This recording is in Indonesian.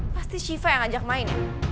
pasti syifa yang ajak main ya